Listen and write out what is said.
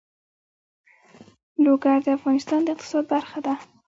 لوگر د افغانستان د اقتصاد برخه ده.